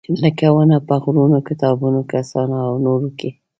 لکه ونه په غرونه، کتابونه، کساتونه او نور کې.